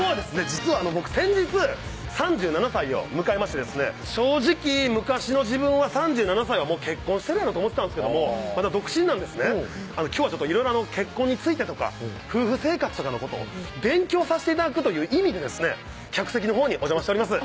実は僕先日３７歳を迎えましてですね正直昔の自分は３７歳は結婚してるやろと思ってたんですけどもまだ独身なんですね今日はいろいろ結婚についてとか夫婦生活とかのことを勉強さして頂くという意味で客席のほうにお邪魔しております